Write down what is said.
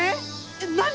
えっ何！？